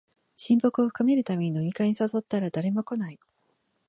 親睦を深めるために飲み会に誘ったら誰も来ない